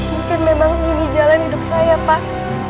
mungkin memang ini jalan hidup saya pak